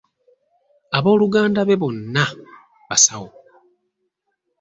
Abooluganda be bonna basawo.